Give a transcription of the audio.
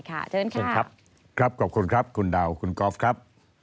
เชิญครับครับขอบคุณครับคุณดาวคุณกอล์ฟครับ